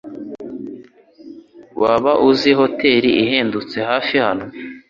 Waba uzi hoteri ihendutse hafi hano?